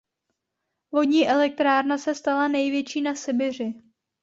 Vodní elektrárna se stala největší na Sibiři.